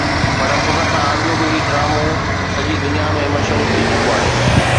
پر ان کان اڳ به هي ڊرامو سڄي دنيا ۾ مشهور ٿي چڪو هو